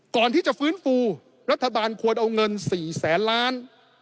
ก่อนที่จะฟื้นฟูรัฐบาลควรเอาเงิน๔แสนล้าน